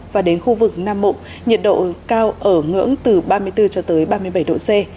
và đến khu vực nam bộ nhiệt độ cao ở ngưỡng từ ba mươi bốn cho tới ba mươi bảy độ c